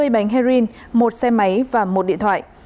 hai mươi bánh heroin một xe máy và một điện thoại